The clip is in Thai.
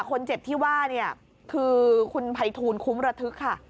คนเจ็บที่ว่าคือคุณไพทูลคุ้มระทึกค่ะ